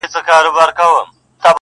پاچاهان یې هم خوري غوښي د خپلوانو٫